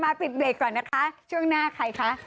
ปิดเบรกก่อนนะคะช่วงหน้าใครคะ